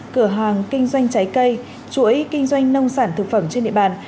cửa hàng kinh doanh trái cây chuỗi kinh doanh nông sản thực phẩm trên địa bàn